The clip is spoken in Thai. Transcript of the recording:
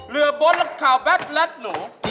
เรือบนหลักขาวแบ๊ดรัสหนู